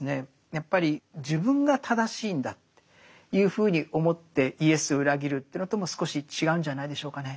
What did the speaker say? やっぱり自分が正しいんだというふうに思ってイエスを裏切るというのとも少し違うんじゃないでしょうかね。